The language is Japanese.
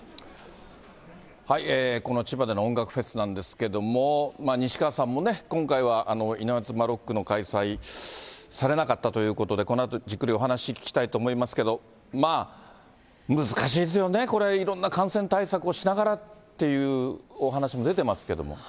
この千葉での音楽フェスなんですけれども、西川さんもね、今回はイナズマロックの開催、されなかったということで、このあとじっくりお話を聞きたいと思いますけれども、まあ、難しいですよね、これ、いろんな感染対策をしながらっていうお話も出ていますけれども。